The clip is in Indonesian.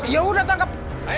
ya udah tangkap